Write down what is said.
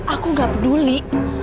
aku gak peduli